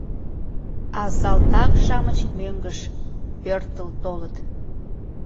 А салтак-шамыч мӧҥгыш: пӧртыл толыт...